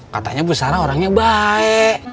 katanya bu sarah orangnya baik